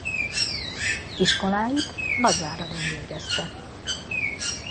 Iskoláit Nagyváradon végezte.